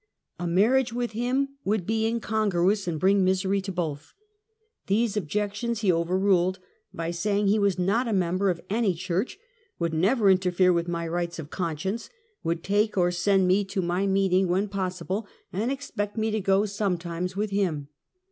A marriage with him would be incon gruous and bring misery to both. These objections he overruled, by saying he was not a member of any church, would never interfere with my rights of con science, would take or send me to my meeting when possible, and expect me to go sometimes with him.